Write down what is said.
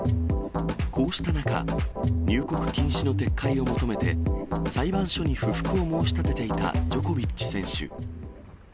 こうした中、入国禁止の撤回を求めて、裁判所に不服を申し立てていたジョコビッチ選手。